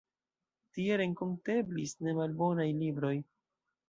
Tie renkonteblis nemalbonaj libroj.